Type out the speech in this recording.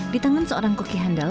di tangan seorang koki handal